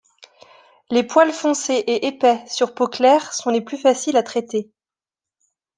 Les poils foncés et épais sur peau claire sont les plus faciles à traiter.